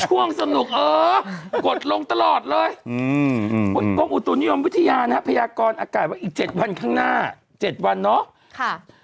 ช่วงสนุกเออกดลงตลอดเลยกรมอุตุนิยมวิทยานะฮะพยากรอากาศว่าอีก๗วันข้างหน้า๗วันเนาะ